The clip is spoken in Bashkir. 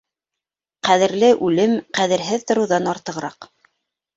Ҡәҙерле үлем ҡәҙерһеҙ тороуҙан артығыраҡ.